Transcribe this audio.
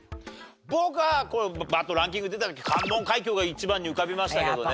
僕はバッとランキング出た時関門海峡が一番に浮かびましたけどね。